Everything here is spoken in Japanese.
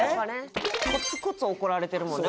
コツコツ怒られてるもんね